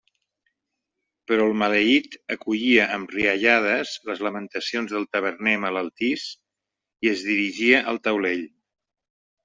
Però el maleït acollia amb riallades les lamentacions del taverner malaltís, i es dirigia al taulell.